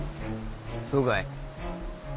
そうかい。